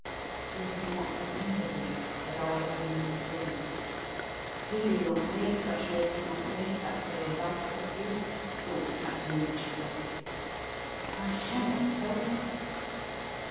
"He has not remembered me, as I have remembered him; he did not take such note of my face, that day, as I took of his," thought Captain Richard Doubledick. "How shall I tell him?"